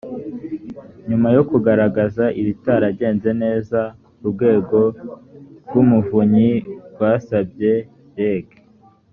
nyuma yo kugaragaza ibitaragenze neza urwego rw umuvunyi rwasabye reg